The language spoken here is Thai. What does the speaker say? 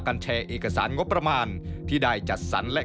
ที่แจ่งมาแล้วมั้ยใช่หรือ